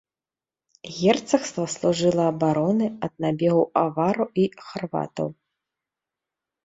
Герцагства служыла абаронай ад набегаў авараў і харватаў.